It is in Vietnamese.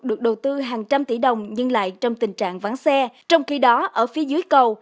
được đầu tư hàng trăm tỷ đồng nhưng lại trong tình trạng vắng xe trong khi đó ở phía dưới cầu